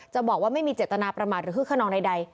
บอกว่าไม่มีเจตนาประมาทหรือคึกขนองใด